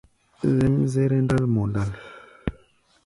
Zɛ́mzɛ́rɛ́ ndál mɔ ndǎl.